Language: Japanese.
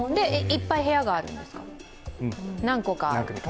いっぱい部屋があるんですか、何個かある？